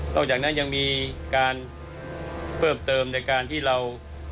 หลังจากนั้นยังมีการเพิ่มเติมในการที่เรา